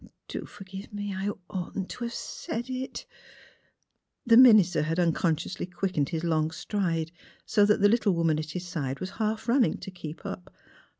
Do forgive me. I oughtn't to have said it! " The minister had unconsciously quickened his long stride so that the little woman at his side was half running to keep up.